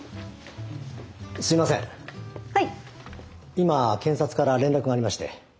今検察から連絡がありまして。